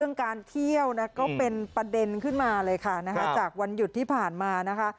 การเที่ยวนะก็เป็นประเด็นขึ้นมาเลยค่ะนะคะจากวันหยุดที่ผ่านมานะคะ